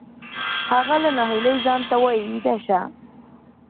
هغه له ناهیلۍ ځان ته وایی ویده شه